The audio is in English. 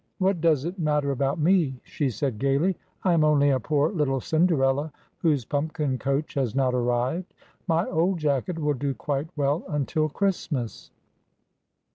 "What does it matter about me?" she said, gaily. "I am only a poor little Cinderella whose pumpkin coach has not arrived. My old jacket will do quite well until Christmas."